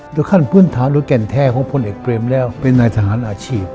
ขั้นพื้นฐานหรือแก่นแท้ของพลเอกเปรมแล้วเป็นนายทหารอาชีพ